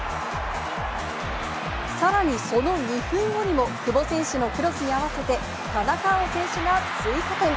さらにその２分後にも、久保選手のクロスに合わせて、田中碧選手が追加点。